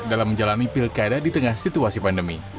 dalam menjalani pilkada di tengah situasi pandemi